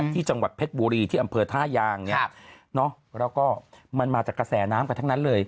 ที่จังหวัดเพชรบุรีที่อำเภอท่ายางแล้วก็มันมาจากกระแสน้ำกันทั้งนั้นเลย